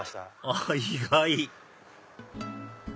あっ意外！